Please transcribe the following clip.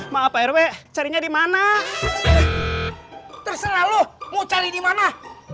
maaf rw carinya dimana terserah lu mau cari dimana